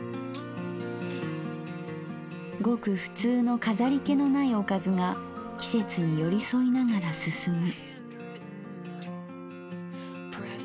ごく普通の飾り気のないおかずが季節に寄り添いながら進む。